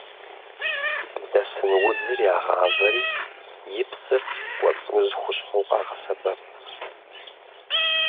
Блэсын удзыр ягъавэри и псыр кӏуэцӏ уз хущхъуэу къагъэсэбэп.